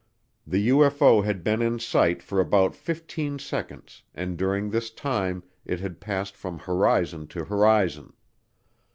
The UFO had been in sight for about fifteen seconds and during this time it had passed from horizon to horizon.